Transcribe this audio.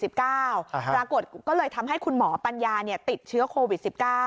ปรากฏก็เลยทำให้คุณหมอปัญญาติดเชื้อโควิด๑๙